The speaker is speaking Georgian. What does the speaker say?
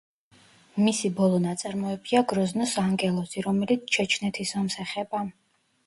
მისი ბოლო ნაწარმოებია „გროზნოს ანგელოზი“, რომელიც ჩეჩნეთის ომს ეხება.